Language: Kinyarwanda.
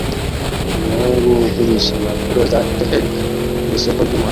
Umuhungu ugurisha impapuro za Tehelka mwisoko ryumuhanda